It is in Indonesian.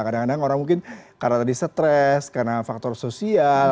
kadang kadang orang mungkin karena tadi stres karena faktor sosial